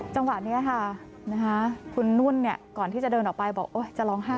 จังหวะนี้ค่ะคุณนุ่นก่อนที่จะเดินออกไปบอกจะร้องไห้